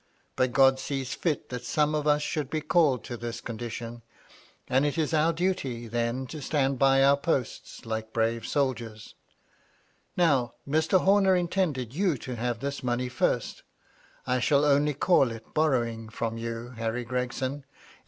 But God sees fit that some of us should be called to this condition, and it is our duly then to stand by our posts, like brave soldiers. Now, Mr. Homer intended you to have this money first. I shall only call it borrowing it from "you, Harry Gregson, if MY LADY LUDLOW.